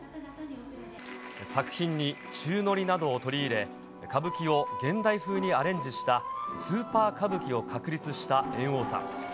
作品に宙乗りなどを取り入れ、歌舞伎を現代風にアレンジしたスーパー歌舞伎を確立した猿翁さん。